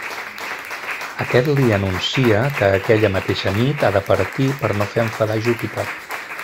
Aquest li anuncia que aquella mateixa nit ha de partir per no fer enfadar Júpiter.